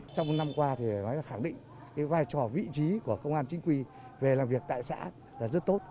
trong một năm qua khẳng định vai trò vị trí của công an chính quy về làm việc tại xã rất tốt